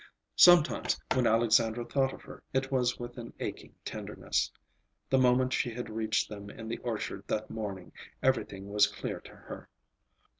Sometimes, when Alexandra thought of her, it was with an aching tenderness. The moment she had reached them in the orchard that morning, everything was clear to her.